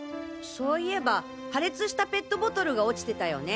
そういえば破裂したペットボトルが落ちてたよね。